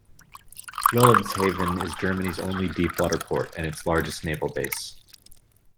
Wilhelmshaven is Germany's only deep-water port, and its largest naval base.